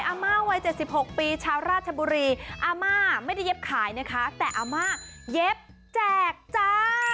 อาม่าวัย๗๖ปีชาวราชบุรีอาม่าไม่ได้เย็บขายนะคะแต่อาม่าเย็บแจกจ้า